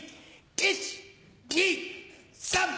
１・２・３！